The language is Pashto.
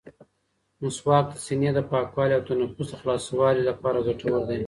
مسواک د سینې د پاکوالي او تنفس د خلاصوالي لپاره ګټور دی.